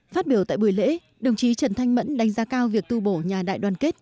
phát biểu tại buổi lễ đồng chí trần thanh mẫn đánh giá cao việc tu bổ nhà đại đoàn kết